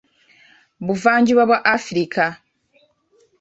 Buvanjuba bwa Afirika.